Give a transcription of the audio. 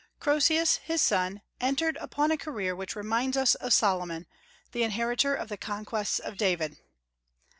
Croesus, his son, entered upon a career which reminds us of Solomon, the inheritor of the conquests of David.